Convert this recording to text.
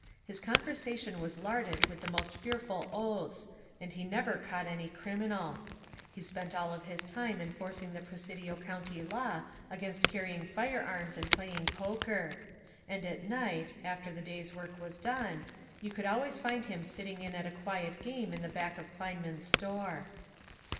His conversation was larded with the most fear* ful oaths, and he never caught any criminal. He spent all of his time enforcing the Presidio County law against carrying firearms and playing poker; and at night, after the day's work was done, you could always find him sitting in at a quiet game in the back of Kleinmann's store.